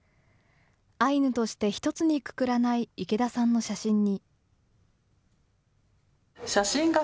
アイヌとして一つにくくらない池田さんの写真に。